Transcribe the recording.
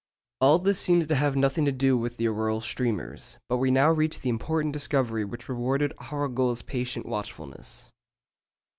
All this seems to have nothing to do with the auroral streamers; but we now reach the important discovery which rewarded Arago's patient watchfulness.